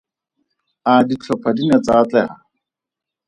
A ditlhopha di ne tsa atlega?